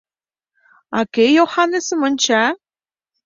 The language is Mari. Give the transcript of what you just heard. — А кӧ Йоханесым онча?